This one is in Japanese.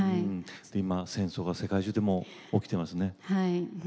今、戦争が世界中で起きていますね。